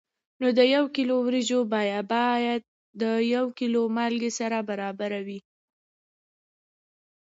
نو د یو کیلو وریجو بیه باید د یو کیلو مالګې سره برابره وي.